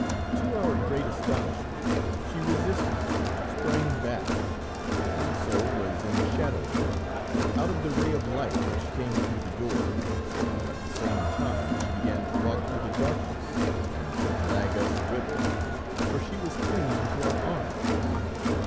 To our great astonishment she resisted, sprang back, and so was in the shadow again, out of the ray of light which came through the door, while, at the same time, she began to walk through the darkness and to drag us with her, for she was clinging to our arms.